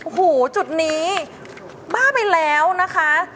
โอ้โหจุดนี้บ้าไปแล้วนะคะ